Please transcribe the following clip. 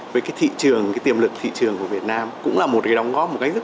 với tiềm lực thị trường của việt nam cũng là một đồng góp